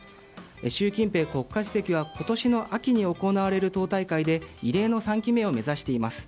習近平国家主席は今年の秋に行われる党大会で異例の３期目を目指しています。